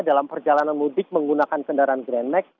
dalam perjalanan mudik menggunakan kendaraan grand max